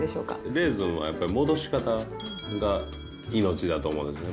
レーズンはやっぱり戻し方が命だと思うんですよ。